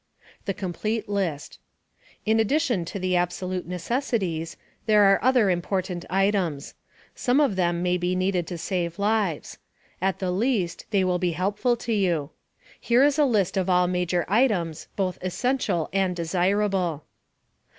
* THE COMPLETE LIST. In addition to the absolute necessities, there are other important items. Some of them may be needed to save lives. At the least, they will be helpful to you. Here is a list of all major items both essential and desirable.